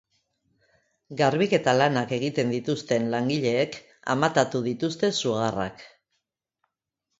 Garbiketa lanak egiten dituzten langilek amatatu dituzte sugarrak.